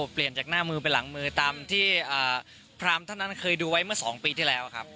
เปลี่ยนจากหน้ามือไปหลังมือตามที่พรามท่านนั้นเคยดูไว้เมื่อ๒ปีที่แล้วครับ